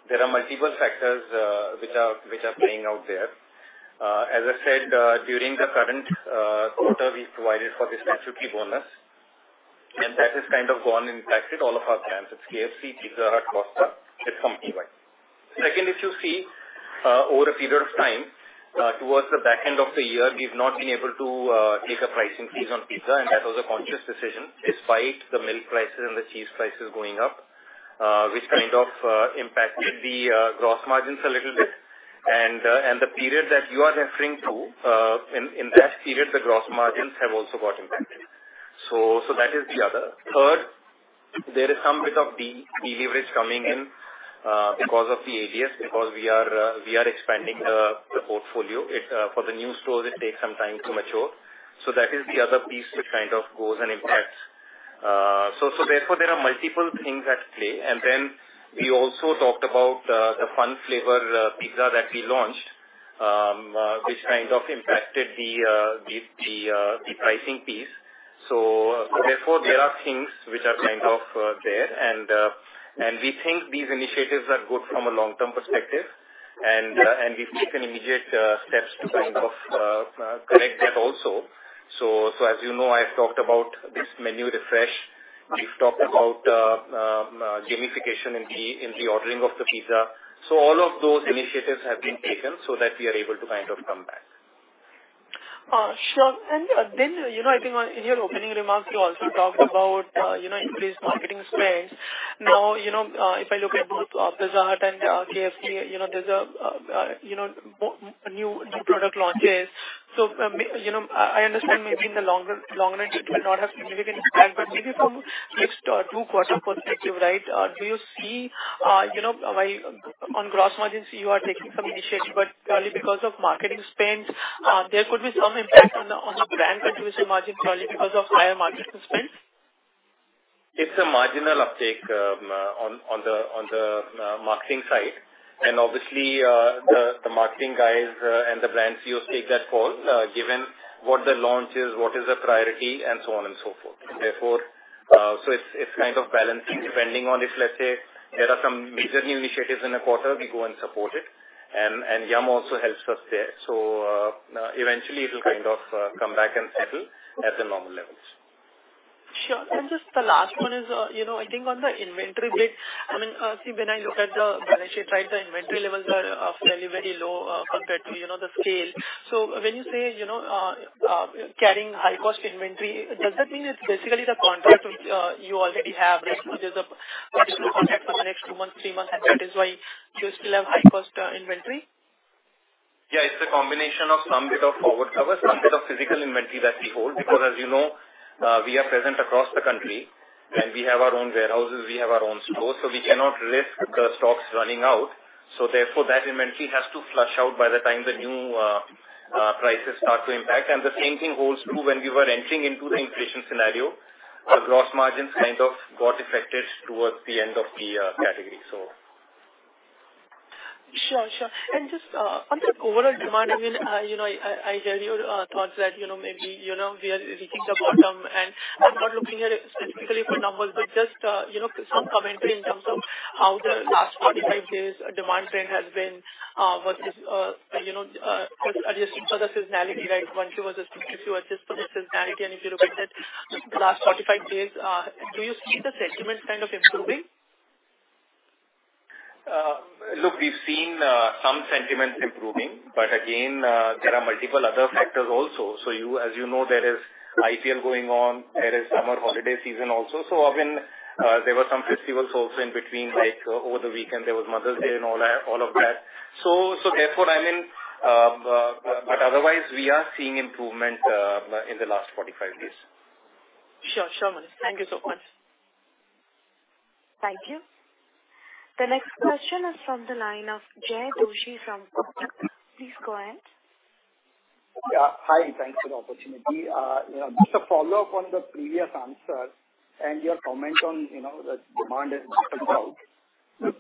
There are multiple factors which are playing out there. As I said, during the current quarter we've provided for the statutory bonus, and that has kind of gone impacted all of our brands. It's KFC, Pizza Hut, Costa. It's come anyway. Second, if you see, over a period of time, towards the back end of the year, we've not been able to take a pricing piece on pizza, and that was a conscious decision despite the milk prices and the cheese prices going up, which kind of impacted the gross margins a little bit. The period that you are referring to, in that period the gross margins have also got impacted. That is the other. Third, there is some bit of deleverage coming in because of the ADS, because we are expanding the portfolio. It. For the new stores, it takes some time to mature. That is the other piece which kind of goes and impacts. Therefore there are multiple things at play. Then we also talked about the Fun Flavours pizza that we launched, which kind of impacted the pricing piece. Therefore there are things which are kind of there and we think these initiatives are good from a long-term perspective. We've taken immediate steps to kind of correct that also. As you know, I've talked about this menu refresh. We've talked about gamification in reordering of the pizza. All of those initiatives have been taken so that we are able to kind of come back. Sure. I think on your opening remarks you also talked about increased marketing spends. If I look at both Pizza Hut and KFC, there's a new product launches. I understand maybe in the longer, long run it will not have significant impact, but maybe from next two quarter perspective, do you see why on gross margins you are taking some initiative, but purely because of marketing spends, there could be some impact on the brand contribution margin purely because of higher marketing spends? It's a marginal uptake on the marketing side. Obviously, the marketing guys and the brand CEOs take that call given what the launch is, what is the priority, and so on and so forth. Therefore, it's kind of balancing depending on if, let's say, there are some major new initiatives in a quarter, we go and support it and Yum! also helps us there. Eventually it'll kind of come back and settle at the normal levels. Sure. Just the last one is, you know, I think on the inventory bit, I mean, see, when I look at the balance sheet, right, the inventory levels are fairly very low, compared to, you know, the scale. When you say, you know, carrying high cost inventory, does that mean it's basically the contract which, you already have, right? There's a, there's no contract for the next two months, three months, and that is why you still have high cost inventory? Yeah, it's a combination of some bit of forward cover, some bit of physical inventory that we hold because as you know, we are present across the country and we have our own warehouses, we have our own stores, so we cannot risk the stocks running out. Therefore that inventory has to flush out by the time the new prices start to impact. The same thing holds true when we were entering into the inflation scenario. Our gross margins kind of got affected towards the end of the category. Sure. Sure. Just, on the overall demand, I mean, you know, I hear your thoughts that, you know, maybe, you know, we are reaching the bottom and I'm not looking at it specifically for numbers, but just, you know, some commentary in terms of how the last 45 days demand trend has been, what is, you know, adjusting for the seasonality, right? Q1 Q2 adjusting for the seasonality. If you look at the last 45 days, do you see the sentiments kind of improving? Look, we've seen some sentiments improving, but again, there are multiple other factors also. As you know, there is IPL going on, there is summer holiday season also. I mean, there were some festivals also in between, like over the weekend there was Mother's Day and all that, all of that. Therefore, I mean, but otherwise we are seeing improvement in the last 45 days. Sure. Sure, Manish. Thank you so much. Thank you. The next question is from the line of Jaykumar Doshi. Please go ahead. Yeah. Hi, thanks for the opportunity. you know, just a follow-up on the previous answer and your comment on, you know, the demand has bottomed out.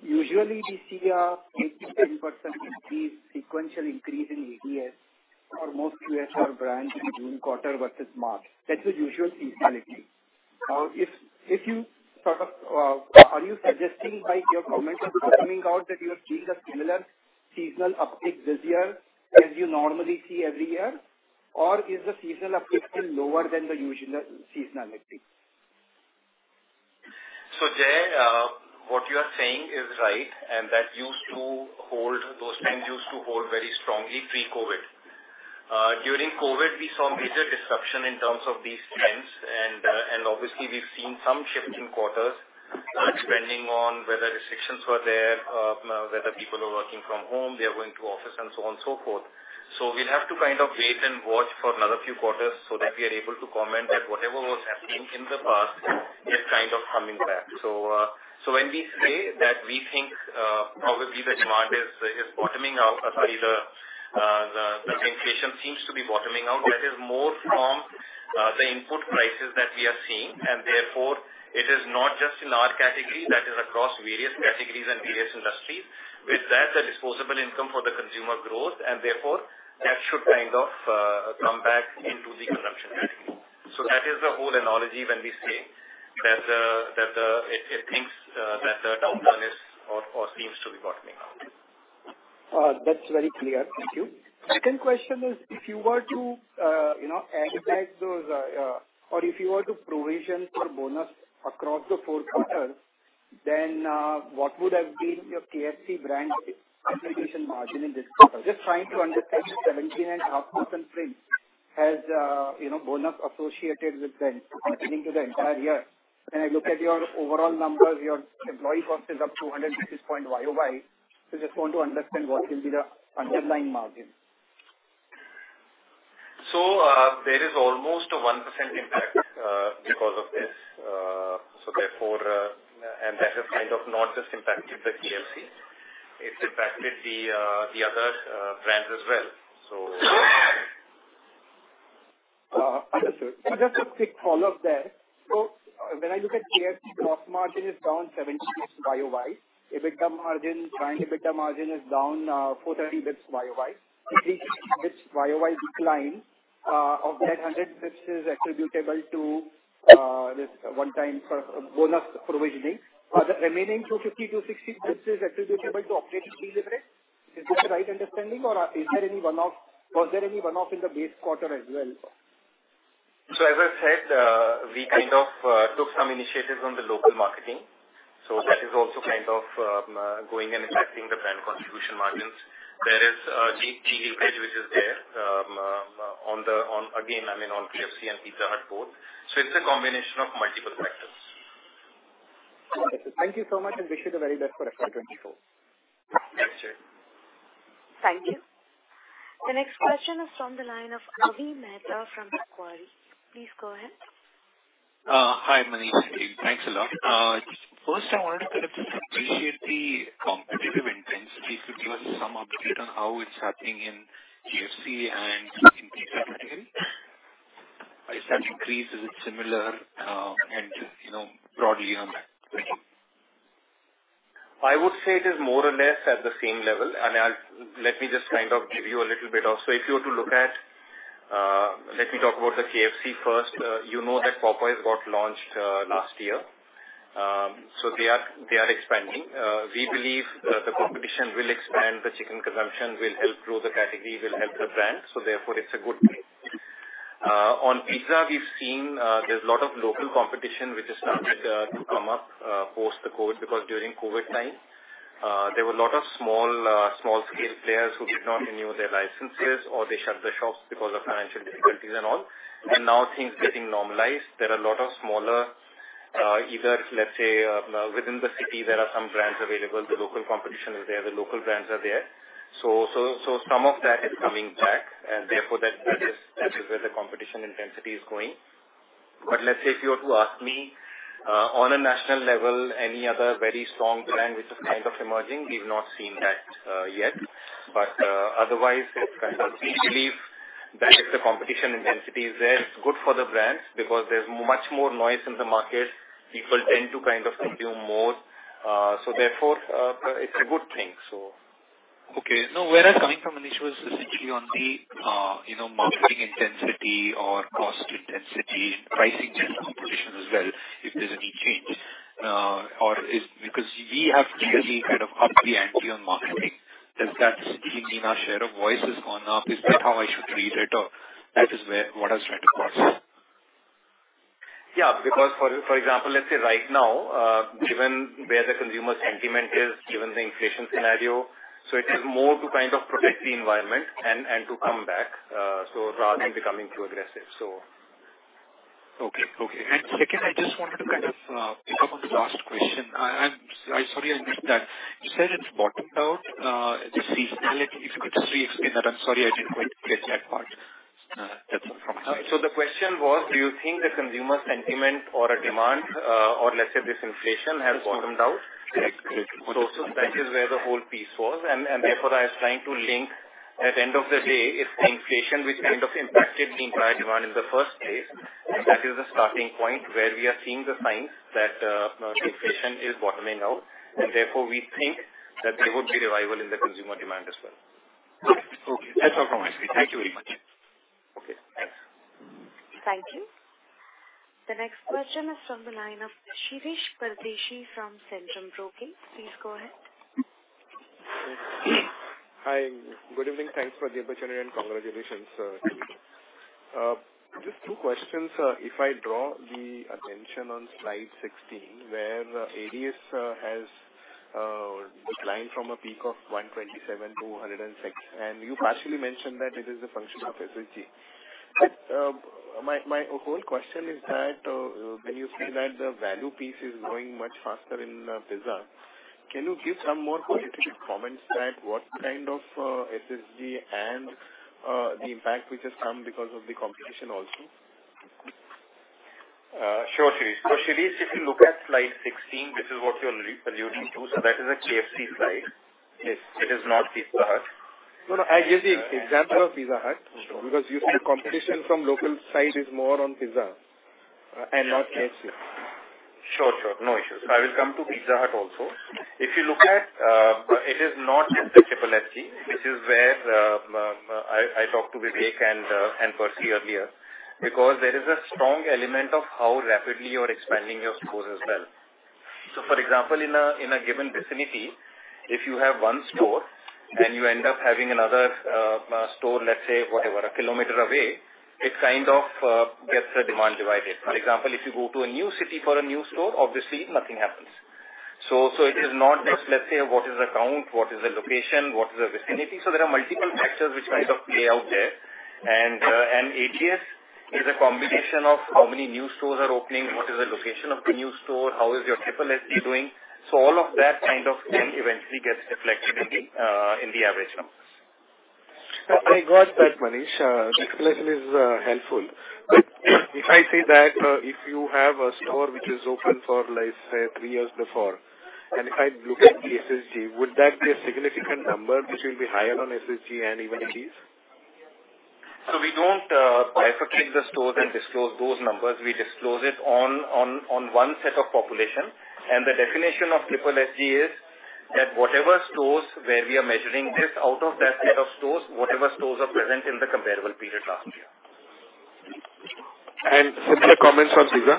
Usually we see a 8-10% increase, sequential increase in ADS for most QSR brands in June quarter versus March. That's the usual seasonality. if you sort of, are you suggesting by your comment of bottoming out that you are seeing a similar seasonal uptick this year as you normally see every year? Or is the seasonal uptick still lower than the usual seasonality? Jay, what you are saying is right, and that used to hold, those trends used to hold very strongly pre-COVID. During COVID, we saw major disruption in terms of these trends and obviously we've seen some shift in quarters, depending on whether restrictions were there, whether people are working from home, they are going to office and so on and so forth. We'll have to kind of wait and watch for another few quarters so that we are able to comment that whatever was happening in the past is kind of coming back. When we say that we think, probably the demand is bottoming out or, sorry, the inflation seems to be bottoming out, that is more from the input prices that we are seeing, and therefore it is not just in our category, that is across various categories and various industries. With that, the disposable income for the consumer grows and therefore that should kind of come back into the consumption category. That is the whole analogy when we say that it thinks that the downturn is or seems to be bottoming out. That's very clear. Thank you. Second question is if you were to, you know, impact those, or if you were to provision for bonus across the 4 quarters, what would have been your KFC brand contribution margin in this quarter? Just trying to understand 17.5% fringe has, you know, bonus associated with them into the entire year. When I look at your overall numbers, your employee cost is up 200 basis points YoY. Just want to understand what will be the underlying margin. There is almost a 1% impact because of this. Therefore, that has kind of not just impacted the KFC, it impacted the other brands as well. Understood. Just a quick follow-up there. When I look at KFC, gross margin is down 70 basis points YoY. EBITDA margin, client EBITDA margin is down 430 basis points YoY. 350 basis points YoY decline, of that 100 basis points is attributable to this one time for bonus provisioning. Are the remaining 250-350 basis points attributable to operating leverage? Is this the right understanding or is there any one-off? Was there any one-off in the base quarter as well? As I said, we kind of took some initiatives on the local marketing. That is also kind of going and impacting the brand contribution margins. There is G leverage which is there on the again, I mean on KFC and Pizza Hut both. It's a combination of multiple factors. Thank you so much and wish you the very best for the financial. Thanks Jay. Thank you. The next question is from the line of Avi Mehta from Macquarie. Please go ahead. Hi Manish. Thanks a lot. First I wanted to kind of appreciate the competitive intense. Please could you give us some update on how it's happening in KFC and in Pizza Hut again? By such increase is it similar, and you know, broadly on that? Thank you. I would say it is more or less at the same level. If you were to look at, let me talk about the KFC first. You know that Popeyes got launched last year. They are expanding. We believe the competition will expand the chicken consumption, will help grow the category, will help the brand. Therefore it's a good thing. On Pizza we've seen, there's a lot of local competition which has started to come up post the COVID because during COVID time, there were a lot of small scale players who did not renew their licenses or they shut the shops because of financial difficulties and all. Now things getting normalized. There are a lot of smaller, either let's say, within the city there are some brands available, the local competition is there, the local brands are there. Some of that is coming back, and therefore that is where the competition intensity is going. Let's say if you were to ask me on a national level, any other very strong brand which is kind of emerging, we've not seen that yet. Otherwise, it's kind of we believe that if the competition intensity is there, it's good for the brands because there's much more noise in the market. People tend to kind of consume more. Therefore, it's a good thing. Okay. No, where I was coming from, Manish, was essentially on the, you know, marketing intensity or cost intensity, pricing competition as well, if there's any change. Because we have really kind of upped the ante on marketing. Does that simply mean our share of voice has gone up? Is that how I should read it, or what I was trying to parse. Yeah. Because for example, let's say right now, given where the consumer sentiment is, given the inflation scenario, it is more to kind of protect the environment and to come back, rather than becoming too aggressive, so. Okay. Okay. Second, I just wanted to kind of pick up on the last question. I'm sorry I missed that. You said it's bottomed out, the seasonality. If you could just re-explain that. I'm sorry I didn't quite catch that part. That's all from my side. The question was, do you think the consumer sentiment or demand, or let's say this inflation has bottomed out? Correct. Correct. That is where the whole piece was. Therefore, I was trying to link at the end of the day, it's inflation which kind of impacted the entire demand in the first place. That is the starting point where we are seeing the signs that inflation is bottoming out, and therefore we think that there would be revival in the consumer demand as well. Okay. That's all from my side. Thank you very much. Okay. Thanks. Thank you. The next question is from the line of Shirish Pardeshi from Centrum Broking. Please go ahead. Hi. Good evening. Thanks for the opportunity and congratulations, sir. Just two questions. If I draw the attention on slide 16, where ADS has declined from a peak of 127 to 106, and you partially mentioned that it is a function of SSG. My whole question is that when you say that the value piece is growing much faster in Pizza, can you give some more qualitative comments that what kind of SSG and the impact which has come because of the competition also? Sure, Shirish. Shirish, if you look at slide 16, this is what you're alluding to. That is a KFC slide. Yes. It is not Pizza Hut. No, no, I gave the example of Pizza Hut because your competition from local side is more on Pizza and not KFC. Sure. No issues. I will come to Pizza Hut also. If you look at, it is not just the SSG, which is where I talked to Vivek and Percy earlier. There is a strong element of how rapidly you're expanding your stores as well. For example, in a given vicinity, if you have 1 store and you end up having another store, let's say, whatever, 1 kilometer away, it kind of gets the demand divided. For example, if you go to a new city for a new store, obviously nothing happens. It is not just, let's say, what is the count, what is the location, what is the vicinity. There are multiple factors which kind of play out there. ADS is a combination of how many new stores are opening, what is the location of the new store, how is your SSG doing. All of that kind of thing eventually gets reflected in the average numbers. I got that, Manish. The explanation is helpful. If I say that, if you have a store which is open for, let's say, three years before, and if I look at the SSG, would that be a significant number which will be higher on SSG and even ADS? We don't bifurcate the stores and disclose those numbers. We disclose it on one set of population. And the definition of SSG is that whatever stores where we are measuring this out of that set of stores, whatever stores are present in the comparable period last year. Similar comments on Pizza?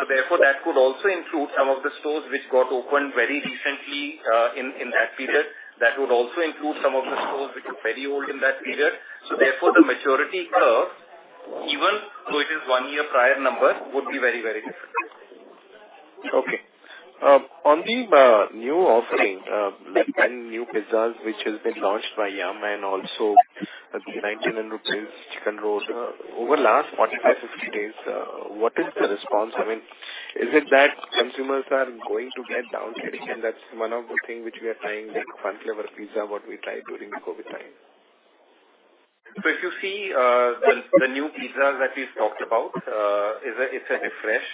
Therefore, that could also include some of the stores which got opened very recently, in that period. That would also include some of the stores which were very old in that period. Therefore, the maturity curve, even though it is one-year prior number, would be very, very different. Okay. on the new offering, like 10 new pizzas which has been launched by Yum! and also the 190 crores rupees Chicken Rolls, over the last 45-50 days, what is the response? I mean, is it that consumers are going to get down-trading, and that's one of the thing which we are trying, like Fun Flavours pizza, what we tried during the COVID time? If you see, the new pizza that we've talked about, it's a refresh.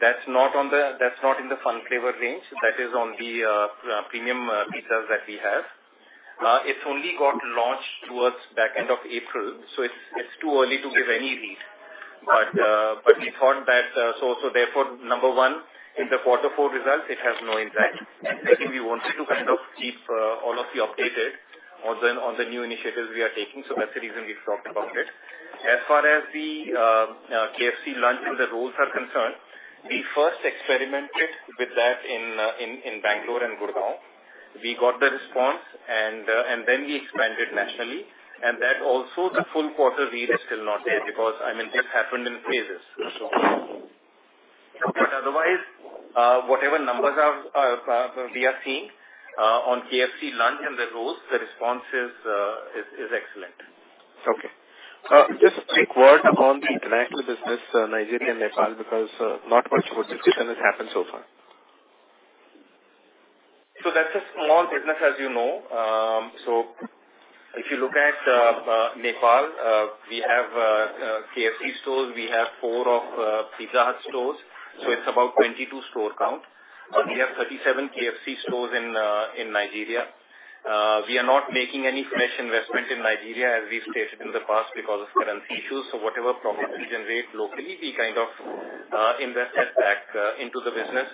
That's not in the Fun Flavours range. That is on the premium pizzas that we have. It's only got launched towards the end of April, so it's too early to give any read. We thought that, therefore, number one, in the quarter four results, it has no impact. Secondly, we wanted to kind of keep all of you updated on the new initiatives we are taking. That's the reason we talked about it. As far as the KFC Lunch and the rolls are concerned, we first experimented with that in Bangalore and Gurgaon. We got the response and then we expanded nationally. That also the full quarter read is still not there because, I mean, this happened in phases. Otherwise, whatever numbers are we are seeing, on KFC Lunch and the rolls, the response is excellent. Okay. Just a quick word on the international business, Nigeria and Nepal, because not much of a discussion has happened so far. That's a small business, as you know. If you look at Nepal, we have KFC stores. We have four of Pizza Hut stores. It's about 22 store count. We have 37 KFC stores in Nigeria. We are not making any fresh investment in Nigeria, as we've stated in the past, because of currency issues. Whatever profits we generate locally, we kind of invest that back into the business.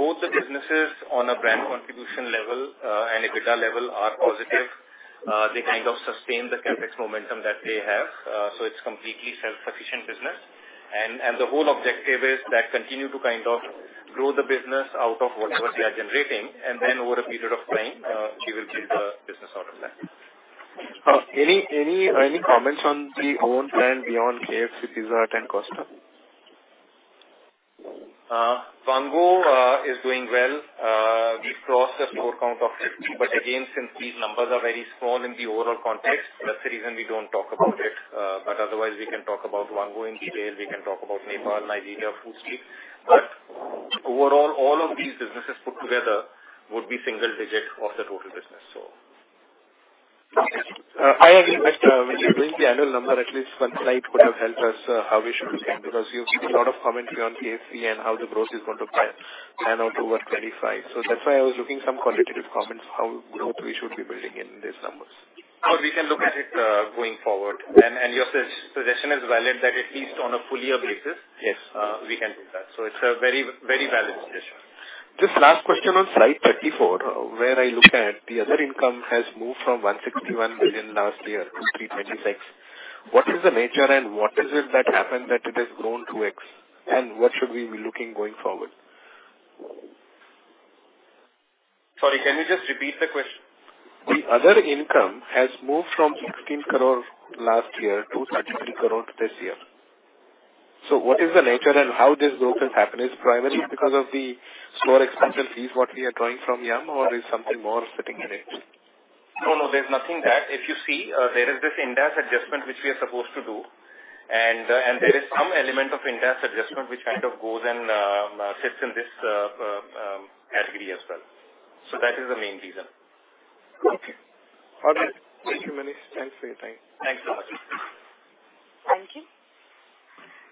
Both the businesses on a brand contribution level and EBITDA level are positive. They kind of sustain the CapEx momentum that they have. It's completely self-sufficient business. The whole objective is that continue to kind of grow the business out of whatever they are generating, then over a period of time, we will take the business out of that. Any comments on the owned brand beyond KFC, Pizza Hut, and Costa? Vaango is doing well. We crossed a store count of 50. Again, since these numbers are very small in the overall context, that's the reason we don't talk about it. Otherwise we can talk about Vaango in detail, we can talk about Nepal, Nigeria, Food Street. Overall, all of these businesses put together would be single digit of the total business, so. I agree. When you bring the annual number, at least one slide could have helped us how we should look at it. Because you've given a lot of commentary on KFC and how the growth is going to plan out towards 25. That's why I was looking some quantitative comments, how growth we should be building in these numbers. Sure. We can look at it, going forward. Your suggestion is valid, that at least on a full-year basis. Yes. We can do that. It's a very, very valid suggestion. Just last question on slide 34, where I look at the other income has moved from 161 million last year to 326 million. What is the nature and what is it that happened that it has grown 2x? What should we be looking going forward? Sorry, can you just repeat the question? The other income has moved from 16 crore last year to 33 crore this year. What is the nature and how this growth has happened? It's primarily because of the store expansion fees what we are drawing from Yum! or is something more sitting in it? No, no, there's nothing that. If you see, there is this Ind AS adjustment which we are supposed to do. There is some element of Ind AS adjustment which kind of goes and, sits in this, category as well. That is the main reason. Okay. All good. Thank you, Manish. Thanks for your time. Thanks a lot. Thank you.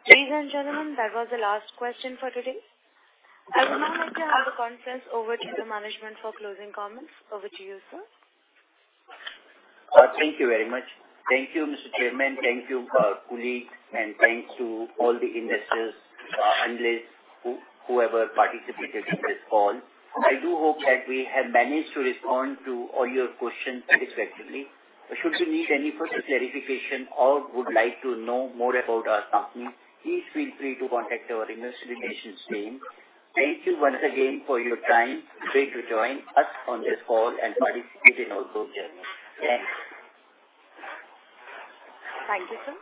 Ladies and gentlemen, that was the last question for today. I would now like to hand the conference over to the management for closing comments. Over to you, sir. Thank you very much. Thank you, Mr. Chairman. Thank you, colleagues. Thanks to all the investors, analysts whoever participated in this call. I do hope that we have managed to respond to all your questions effectively. Should you need any further clarification or would like to know more about our company, please feel free to contact our investor relations team. Thank you once again for your time. Great you joined us on this call and participate in our growth journey. Thanks. Thank you, sir.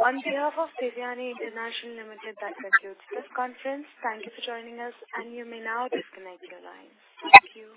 On behalf of Devyani International Limited, that concludes this conference. Thank you for joining us, and you may now disconnect your lines. Thank you.